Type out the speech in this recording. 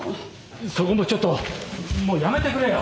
そこもちょっともうやめてくれよ。